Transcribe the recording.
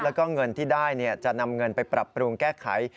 แล้วก็เงินที่ได้จะนำเงินไปปรับปรุงแก้ไข